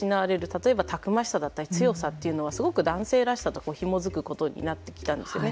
例えばたくましさ、強さというのはすごく男性らしさとひもずくことになってきたんですよね。